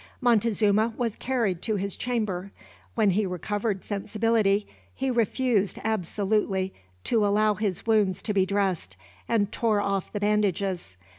Montezuma was carried to his chamber. When he recovered sensibility, he refused absolutely to allow his wounds to be dressed, and tore off the bandages.